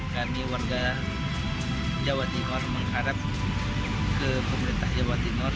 kami warga jawa timur mengharap ke pemerintah jawa timur